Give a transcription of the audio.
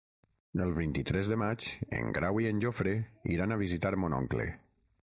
El vint-i-tres de maig en Grau i en Jofre iran a visitar mon oncle.